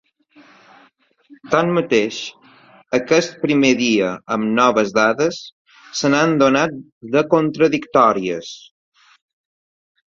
Tanmateix, aquest primer dia amb noves dades se n’han donat de contradictòries.